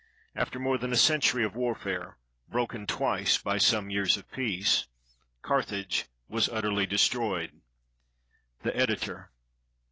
After more than a century of warfare, broken twice by some years of peace, Carthage was utterly destroyed. The Editor.